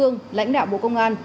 trung ương lãnh đạo bộ công an